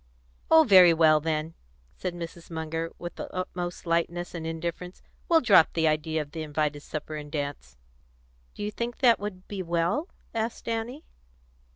"Oh, very well, then," said Mrs. Munger, with the utmost lightness and indifference, "we'll drop the idea of the invited supper and dance." "Do you think that would be well?" asked Annie.